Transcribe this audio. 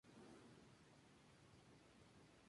Este libro no figuraba en la primera edición.